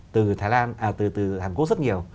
từ hàn quốc rất nhiều